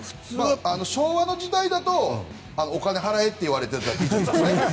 昭和の時代だとお金を払えと言われていた気がします。